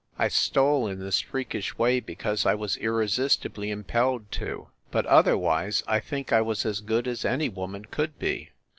I stole in this freakish way because I was irresistibly impelled to; but otherwise I think I was as good as any woman could be.